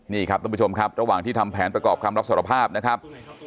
นี่ครับท่านผู้ชมครับระหว่างที่ทำแผนประกอบคำรับสารภาพนะครับ